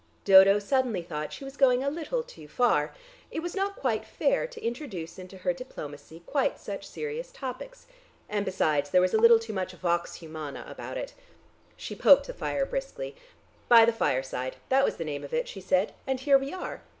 Dodo suddenly thought she was going a little too far. It was not quite fair to introduce into her diplomacy quite such serious topics and besides, there was a little too much vox humana about it. She poked the fire briskly. "'By the fireside'; that was the name of it," she said, "and here we are.